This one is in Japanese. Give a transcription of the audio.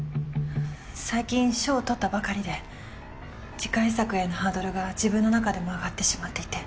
最近賞を獲ったばかりで次回作へのハードルが自分の中でも上がってしまっていて。